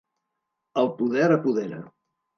El poder apodera.